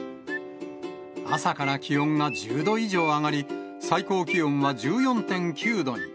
朝から気温が１０度以上上がり、最高気温は１４．９度に。